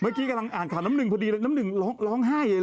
เมื่อกี้กำลังอ่านข่าวน้ำหนึ่งพอดีน้ำหนึ่งร้องไห้เลยเหรอ